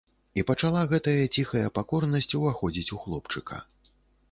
І пачала гэтая ціхая пакорнасць уваходзіць у хлопчыка.